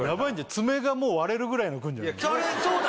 爪がもう割れるぐらいのがくるんじゃないそうだ